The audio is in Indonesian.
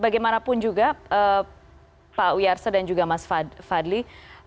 baik bagaimanapun juga pak uyarsa dan juga mas fadli